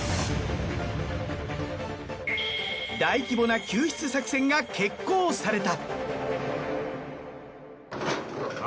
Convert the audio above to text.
大規模な救出作戦が決行された。